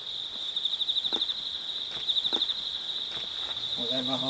おはようございます。